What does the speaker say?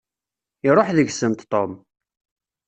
Iṛuḥ deg-sent Tom.